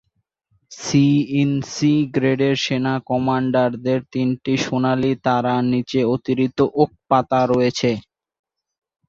C-in-C গ্রেডের সেনা কমান্ডারদের তিনটি সোনালি তারার নিচে অতিরিক্ত ওক পাতা রয়েছে।